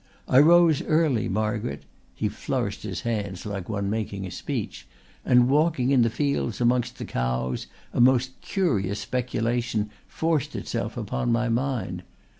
I rose early, Margaret," he flourished his hands like one making a speech, "and walking in the fields amongst the cows a most curious speculation forced itself upon my mind.